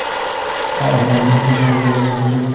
আর আমি কবে থেকে চেষ্টা করছি যাতে তুই একবার আমার দিকে তাকাস।